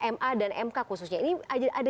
ma dan mk khususnya ini ada